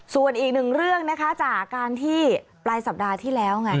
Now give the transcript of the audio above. ส่วนอีกหนึ่งเรื่องนะคะจากการที่ปลายสัปดาห์ที่แล้วไง